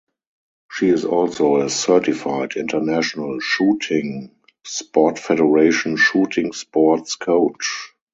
She is also a certified International Shooting Sport Federation shooting sports coach.